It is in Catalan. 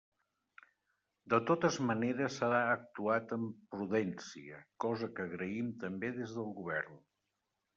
De totes maneres, s'ha actuat amb prudència, cosa que agraïm també des del Govern.